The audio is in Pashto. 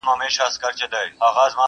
یوه سوی وه راوتلې له خپل غاره.!